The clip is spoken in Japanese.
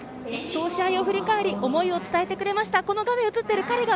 そう試合を振り返り思いを伝えてくれました。